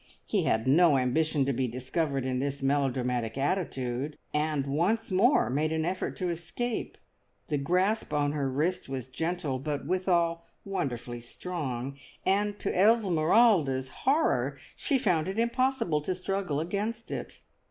He had no ambition to be discovered in this melodramatic attitude, and once more made an effort to escape. The grasp on her wrist was gentle, but withal wonderfully strong, and to Esmeralda's horror she found it impossible to struggle against it.